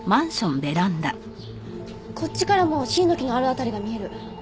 こっちからもシイの木のある辺りが見える。